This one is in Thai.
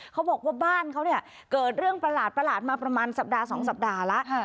เขาบอกว่าบ้านเขาเนี่ยเกิดเรื่องประหลาดมาประมาณสัปดาห์๒สัปดาห์แล้ว